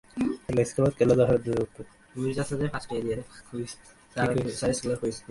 একটা খোলা পিকআপের পিছনে বসিয়ে আমাদের হোটেলে নিয়ে যাওয়া হল।